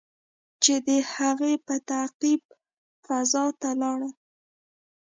چې د هغې په تعقیب فضا ته لاړل.